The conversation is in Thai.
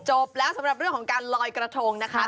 จบแล้วสำหรับเรื่องของการลอยกระทงนะคะ